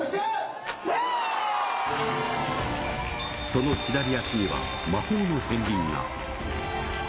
その左足には魔法の片りんが。